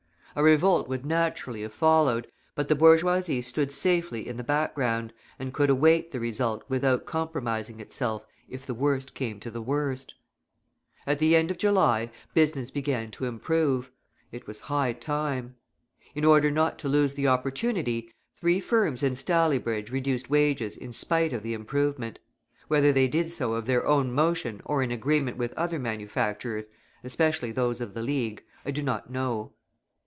A revolt would naturally have followed, but the bourgeoisie stood safely in the background and could await the result without compromising itself if the worst came to the worst. At the end of July business began to improve; it was high time. In order not to lose the opportunity, three firms in Staleybridge reduced wages in spite of the improvement. Whether they did so of their own motion or in agreement with other manufacturers, especially those of the League, I do not know.